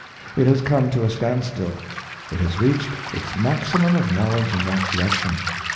It has come to a standstill. It has reached its maximum of knowledge in that direction.